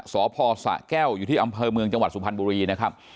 สพสะแก้วอยู่ที่อำเภอเมืองจังหวัดสุพรรณบุรีนะครับ